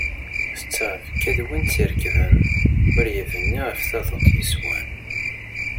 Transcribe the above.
S ttɛebga d win tt-irekben, ur yebni ɣef taḍuṭ yeswan.